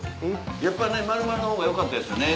やっぱり丸々のほうがよかったですよね。